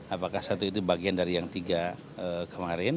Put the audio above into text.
apakah satu itu bagian dari yang tiga kemarin